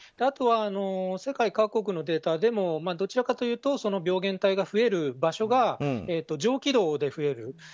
あとは世界各国のデータでもどちらかというと病原体が増える場所が上気道で増える。